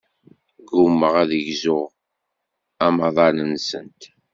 Ggummaɣ ad gzuɣ amaḍal-nsent.